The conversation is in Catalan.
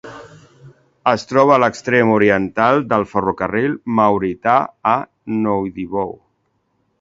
Es troba a l'extrem oriental del ferrocarril maurità a Nouadhibou.